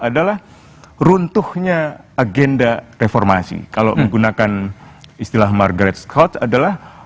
adalah runtuhnya agenda reformasi kalau menggunakan istilah margaret scott adalah